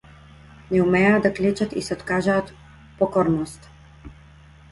Не умееја да клечат и се откажаа од покорноста.